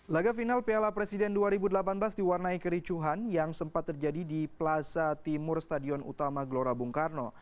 laga final piala presiden dua ribu delapan belas diwarnai kericuhan yang sempat terjadi di plaza timur stadion utama gelora bung karno